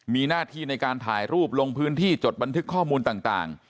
มีหน้าที่ในการถ่ายรูปลงพื้นที่จดบันทึกข้อมูลต่าง